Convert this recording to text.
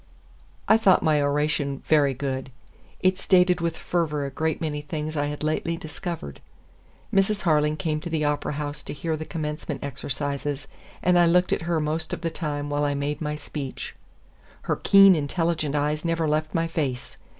I thought my oration very good. It stated with fervor a great many things I had lately discovered. Mrs. Harling came to the Opera House to hear the Commencement exercises, and I looked at her most of the time while I made my speech. Her keen, intelligent eyes never left my face.